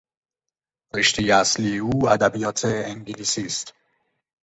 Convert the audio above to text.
رشته اصلی او ادبیات انگلیسی است.